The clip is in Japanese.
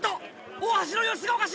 大橋の様子がおかしい！